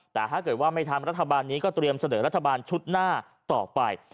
แต่ถ้าเกิดว่าไม่ทำรัฐบาลนี้ก็เตรียมเสนอรัฐบาลชุดหน้าต่อไป